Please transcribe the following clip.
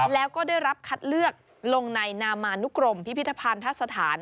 แล้วก็ได้รับคัดเลือกลงในนามานุกรมพิพิธภัณฑสถาน